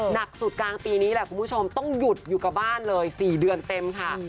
หนักสุดกลางปีนี้แหละคุณผู้ชมต้องหยุดอยู่กับบ้านเลย๔เดือนเต็มค่ะ